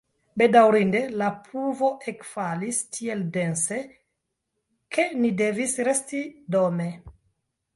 Bedaŭrinde la pluvo ekfalis tiel dense, ke ni devis resti dome.